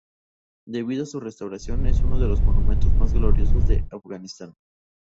Debido a su restauración, es uno de los monumentos más gloriosos de Afganistán.